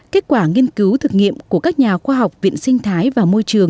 kết quả nghiên cứu thực nghiệm của các nhà khoa học viện sinh thái và môi trường nhiệt đới đã chỉ ra rằng